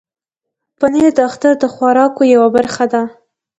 پنېر د اختر د خوراکو یوه برخه ده.